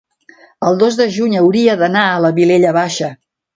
el dos de juny hauria d'anar a la Vilella Baixa.